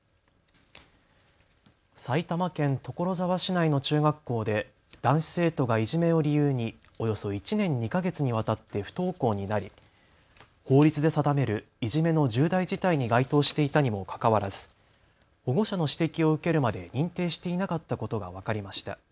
埼玉県所沢市内の中学校で男子生徒がいじめを理由におよそ１年２か月にわたって不登校になり法律で定めるいじめの重大事態に該当していたにもかかわらず保護者の指摘を受けるまで認定していなかったことが分かりました。